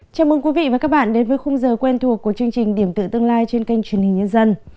chào mừng quý vị và các bạn đến với khung giờ quen thuộc của chương trình điểm tựa tương lai trên kênh truyền hình nhân dân